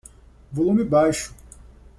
Volume baixo.